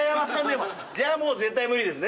じゃあもう絶対無理ですね。